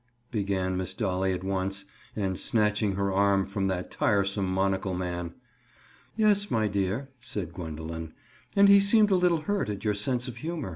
began Miss Dolly at once, and snatching her arm from that tiresome monocle man. "Yes, my dear," said Gwendoline. "And he seemed a little hurt at your sense of humor."